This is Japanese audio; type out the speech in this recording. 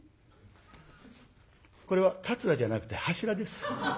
これは「桂」じゃなくて「柱」です。